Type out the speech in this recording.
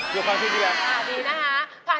ดูความชื่นดีกว่า